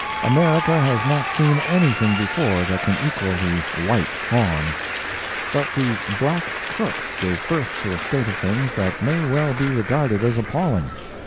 America has not seen anything before that can equal the "White Fawn." But the "Black Crook" gave birth to a state of things that may well be regarded as appalling.